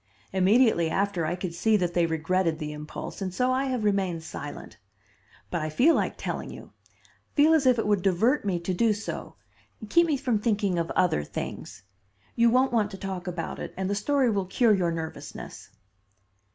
Immediately after, I could see that they regretted the impulse, and so I have remained silent. But I feel like telling you; feel as if it would divert me to do so keep me from thinking of other things. You won't want to talk about it and the story will cure your nervousness."